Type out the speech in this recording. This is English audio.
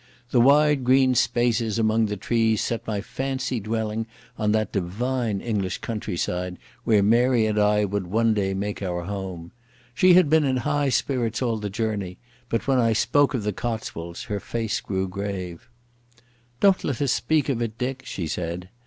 The wide green spaces among the trees set my fancy dwelling on that divine English countryside where Mary and I would one day make our home. She had been in high spirits all the journey, but when I spoke of the Cotswolds her face grew grave. "Don't let us speak of it, Dick," she said.